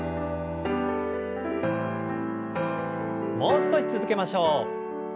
もう少し続けましょう。